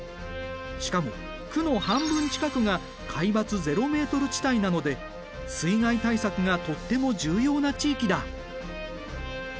しかも区の半分近くが海抜ゼロメートル地帯なので水害対策がとっても重要な地域だ。